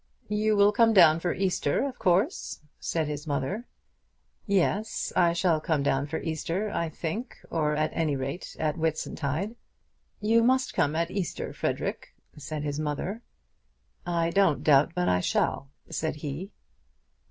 "You will come down for Easter, of course," said his mother. "Yes; I shall come down for Easter, I think, or at any rate at Whitsuntide." "You must come at Easter, Frederic," said his mother. "I don't doubt but I shall," said he.